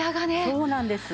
そうなんです。